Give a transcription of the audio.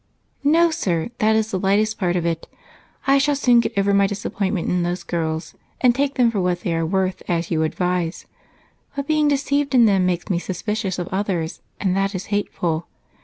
"No, sir, that is the lightest part of it. I shall soon get over my disappointment in those girls and take them for what they are worth as you advise, but being deceived in them makes me suspicious of others, and that is hateful.